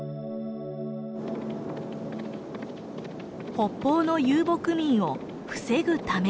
北方の遊牧民を防ぐためです。